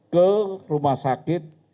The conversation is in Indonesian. ke rumah sakit